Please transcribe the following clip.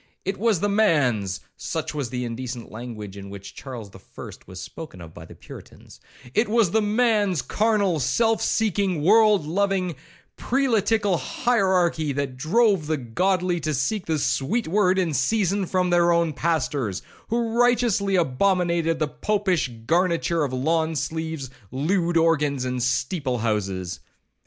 It was the man's (such was the indecent language in which Charles the First was Spoken of by the Puritans)—it was the man's carnal, self seeking, World loving, prelatical hierarchy, that drove the godly to seek the sweet word in season from their own pastors, who righteously abominated the Popish garniture of lawn sleeves, lewd organs, and steeple houses.